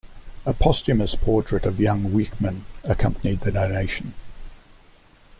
A posthumous portrait of young Wijkman accompanied the donation.